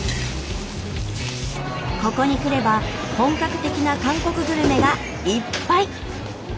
ここに来れば本格的な韓国グルメがいっぱい！